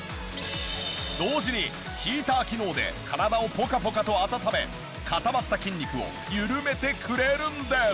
同時にヒーター機能で体をポカポカと温め固まった筋肉を緩めてくれるんです！